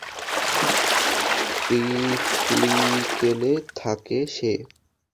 ট্রিপ্লিকেনে থাকে সে।